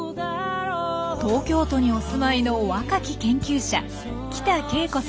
東京都にお住まいの若き研究者喜多恵子さん。